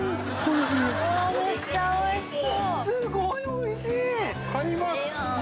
すごいおいしい。